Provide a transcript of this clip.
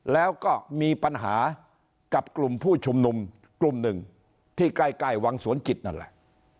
แล้วก็มีปัญหากับกลุ่มผู้ชุมนุมกลุ่มหนึ่งที่ใกล้วังสวนจิตนั่นแหละ